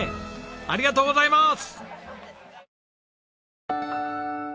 ありがとうございます！